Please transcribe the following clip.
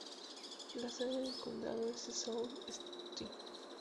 La sede del condado es Sault Ste.